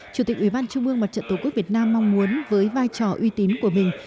chủ tịch ủy ban trung mương mặt trận tổ quốc việt nam mong muốn với vai trò uy tín của mình